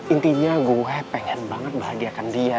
intinya gue pengen banget bahagiakan dia